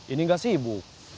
ini gak sih ibu